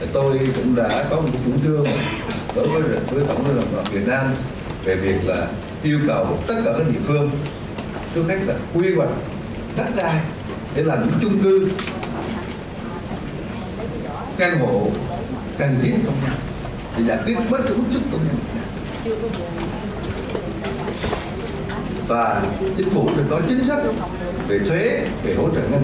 tôi cũng đã có một chủ trương với tổng giám đốc việt nam về việc là yêu cầu tất cả các địa phương